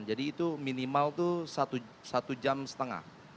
jadi itu minimal tuh satu jam setengah